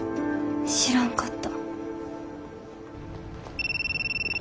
知らんかった。